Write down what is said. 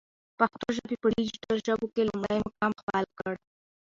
پښتو ژبی په ډيجيټل ژبو کی لمړی مقام خپل کړ.